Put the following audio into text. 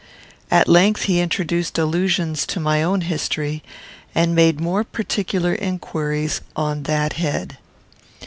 At length he introduced allusions to my own history, and made more particular inquiries on that head.